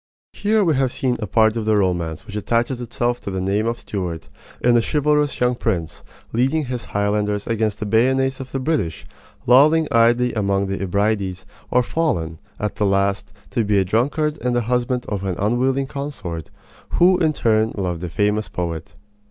Here we have seen a part of the romance which attaches itself to the name of Stuart in the chivalrous young prince, leading his Highlanders against the bayonets of the British, lolling idly among the Hebrides, or fallen, at the last, to be a drunkard and the husband of an unwilling consort, who in her turn loved a famous poet.